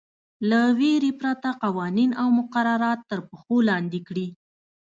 له وېرې پرته قوانین او مقررات تر پښو لاندې کړي.